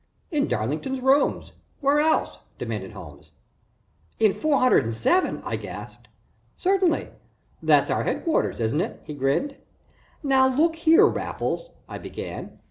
"In Darlington's rooms where else?" demanded Holmes. "In four hundred and seven?" I gasped. "Certainly that's our headquarters, isn't it?" he grinned. "Now see here, Raffles," I began.